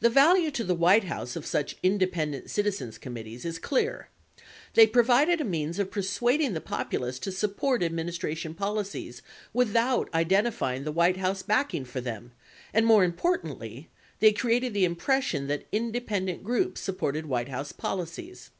64 The value to the White House of such independent citizens com mittees is clear : They provided a means of persuading the populace to support administration policies without identifying the White House backing for them, and, more importantly, they created the im pression that independent groups supported White House policies.